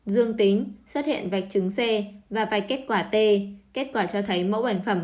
dương tính xuất hiện vạch chứng c và vạch kết quả t kết quả cho thấy mẫu bệnh phẩm